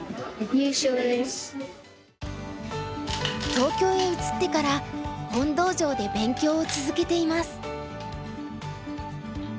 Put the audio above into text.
東京へ移ってから洪道場で勉強を続けています。